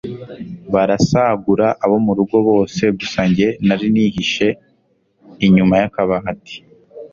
barasagura abo murugo bose gusa njye nari nihishe inyuma yakabati